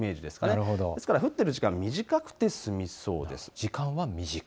ですから降っている時間は短くて済みそうです。